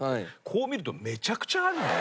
こう見るとめちゃくちゃあるね。